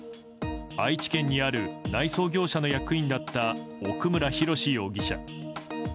愛知県にある内装業者の役員だった奥村博容疑者。